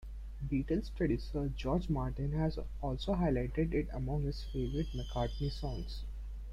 Beatles producer George Martin has also highlighted it among his favourite McCartney songs.